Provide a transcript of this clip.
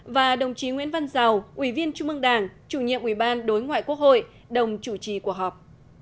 và đồng chí nguyễn văn giàu ủy viên trung ương đảng chủ nhiệm ủy ban đối ngoại quốc hội đồng chủ trì cuộc họp